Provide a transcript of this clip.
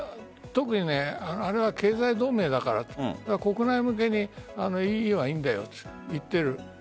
あれは経済同盟だからと国内向けにＥＵはいいよと言っている。